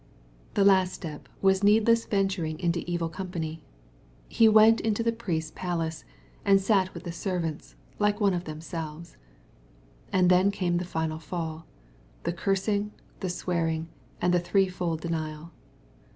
— The last step was needless venturing into evil^mpany. He went into the priest's palace, and " sat with the ser vants," like one of themselves. — ^And then came the final fall, — ^the cursing, the swearing, and the three fold de nial.